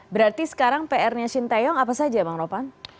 berarti sekarang prnya shin taeyong apa saja bang ropan